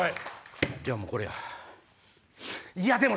じゃあもうこれや。